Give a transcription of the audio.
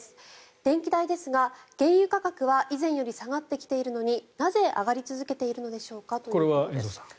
電気代ですが、原油価格は以前より下がってきているのになぜ上がり続けているのでしょうかということです。